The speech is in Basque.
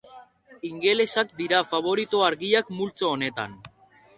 Ingelesak dira faborito argiak multzo honetan.